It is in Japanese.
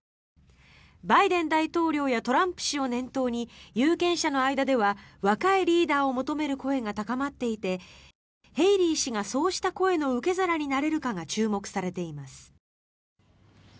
バイデン大統領やトランプ氏を念頭に有権者の間では、若いリーダーを求める声が高まっていてヘイリー氏がそうした声の受け皿になれるかが注目されています。